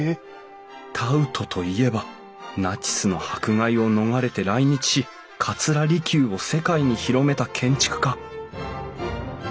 タウトといえばナチスの迫害を逃れて来日し桂離宮を世界に広めた建築家！